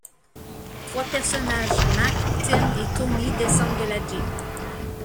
Trois personnages, Mac, Tim et Tony, descendent de la jeep.